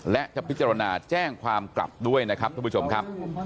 และจะพิจารณาแจ้งความกลับด้วยนะครับทุกผู้ชมครับ